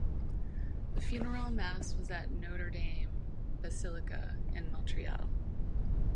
The funeral Mass was at Notre Dame Basilica in Montreal.